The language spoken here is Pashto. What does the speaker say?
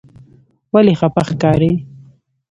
ولې خپه ښکارې؟